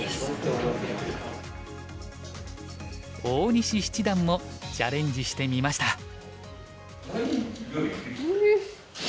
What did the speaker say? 大西七段もチャレンジしてみました。